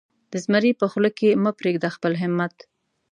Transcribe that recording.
د زمري په خوله کې مه پرېږده خپل همت.